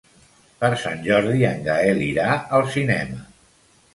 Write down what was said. Per Sant Jordi en Gaël irà al cinema.